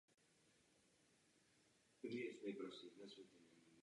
Je pohřben na Vyšehradském hřbitově v Praze.